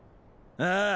ああ。